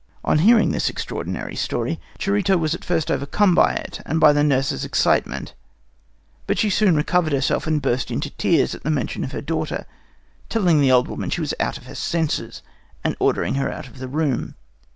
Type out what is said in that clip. "On hearing this extraordinary story, Charito was at first overcome by it and by the nurse's excitement; but she soon recovered herself, and burst into tears at the mention of her daughter, telling the old woman she was out of her senses, and ordering her out of the room.